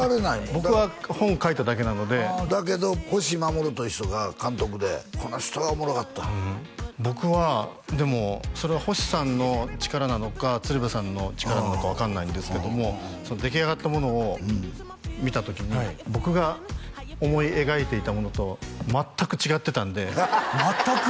僕は本を書いただけなのでだけど星護という人が監督でこの人がおもろかった僕はでもそれが星さんの力なのか鶴瓶さんの力なのか分かんないんですけども出来上がったものを見た時に僕が思い描いていたものと全く違ってたんで全く？